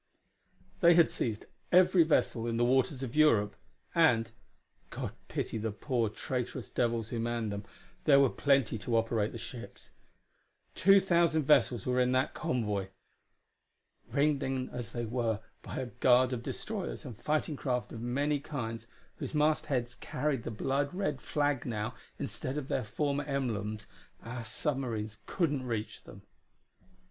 They had seized every vessel in the waters of Europe. And God pity the poor, traitorous devils who manned them there were plenty to operate the ships. Two thousand vessels were in that convoy. Ringed in as they were by a guard of destroyers and fighting craft of many kinds, whose mast heads carried the blood red flag now instead of their former emblems, our submarines couldn't reach them.